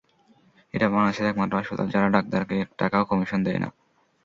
এটা বাংলাদেশের একমাত্র হাসপাতাল যারা ডাক্তারকে এক টাকাও কমিশন দেয় না।